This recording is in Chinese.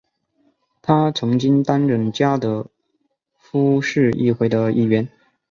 他曾经担任加的夫市议会的议员。